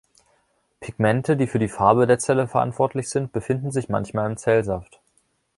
Pigmente, die für die Farbe der Zelle verantwortlich sind, befinden sich manchmal im Zellsaft.